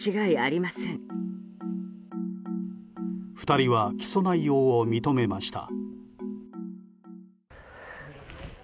２人は起訴内容を認めました。